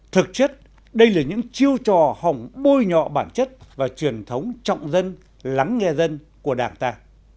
thực chất đây là những chiêu trò hỏng bôi nhọ bản chất và truyền thống trọng dân lắng nghe dân của đảng ta